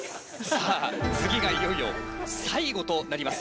さあ次がいよいよ最後となります。